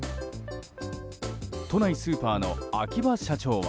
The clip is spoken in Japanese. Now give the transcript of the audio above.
都内スーパーの秋葉社長は。